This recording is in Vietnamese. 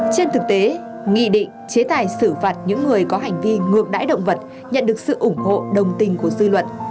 trên thực tế nghị định chế tài xử phạt những người có hành vi ngược đáy động vật nhận được sự ủng hộ đồng tình của dư luận